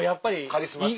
カリスマ性？